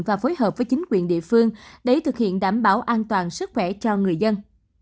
và phối hợp với chính quyền địa phương để thực hiện đảm bảo an toàn sức khỏe cho người dân